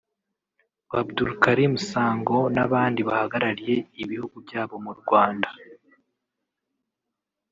Abdoul Karim Sango n’abandi bahagarariye ibihugu byabo mu Rwanda